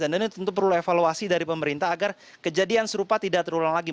dan ini tentu perlu evaluasi dari pemerintah agar kejadian serupa tidak terulang lagi